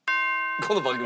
この番組？